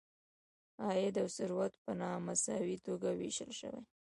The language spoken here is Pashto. عاید او ثروت په نا مساوي توګه ویشل شوی.